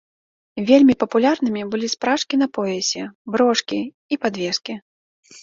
Вельмі папулярнымі былі спражкі на поясе, брошкі і падвескі.